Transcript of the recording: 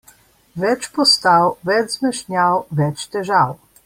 Več postav, več zmešnjav, več težav.